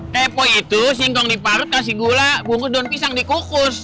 tepo itu singkong diparut kasih gula bungkus daun pisang dikukus